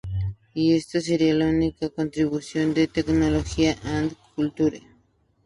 Y esto sería la única contribución de "Tecnología and Culture".